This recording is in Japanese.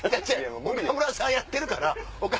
岡村さんやってるから。